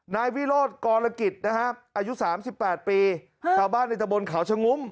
นายวิโรธกรกิจนะฮะอายุ๓๘ปีชาวบ้านในตะบนเขาชะงุ้ม